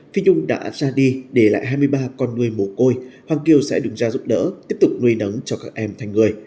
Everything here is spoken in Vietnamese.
phi dung đã ra đi để lại hai mươi ba con nuôi mồ côi hoàng kiều sẽ đứng ra giúp đỡ tiếp tục nuôi nấng cho các em thành người